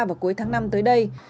vào cuối tháng năm tới đây